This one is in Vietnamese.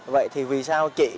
vậy thì vì sao chị